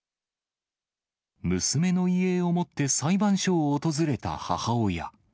娘の遺影を持って裁判所を訪れた母親。